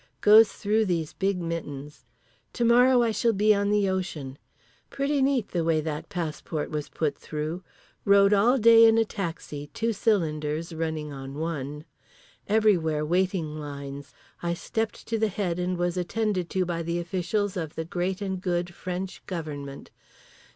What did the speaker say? Goes through these big mittens. To morrow I shall be on the ocean. Pretty neat the way that passport was put through. Rode all day in a taxi, two cylinders, running on one. Everywhere waiting lines. I stepped to the head and was attended to by the officials of the great and good French Government.